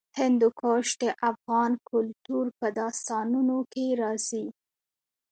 هندوکش د افغان کلتور په داستانونو کې راځي.